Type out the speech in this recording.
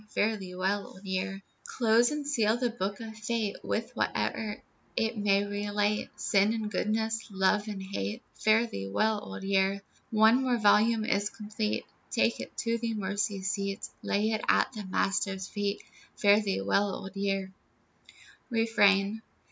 Fare thee well, Old Year. Close and seal the book of fate, With whate'er it may relate, Sin and goodness, love and hate, Fare thee well, Old Year. One more volume is complete, Take it to the Mercy Seat, Lay it at the Master's feet, Fare thee well, Old Year. REFRAIN.